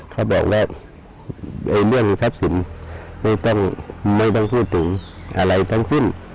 เขาบอกว่าเรื่องทรัพย์สินไม่ต้องไม่ต้องพูดถึงอะไรทั้งสิ้น